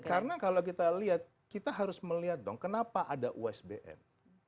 karena kalau kita lihat kita harus melihat dong kenapa ada usbn